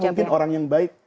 mungkin orang yang baik